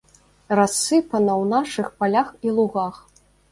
Рассыпана ў нашых палях і лугах.